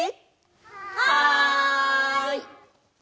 はい！